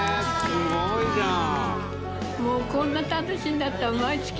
すごいじゃん！